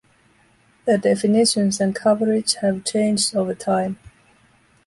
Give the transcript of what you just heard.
The definitions and coverage have changed over time.